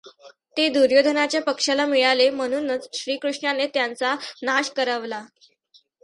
ते दुर्योधनाच्या पक्षाला मिळाले म्हणूनच श्रीकृष्णाने त्यांचा नाश करवला.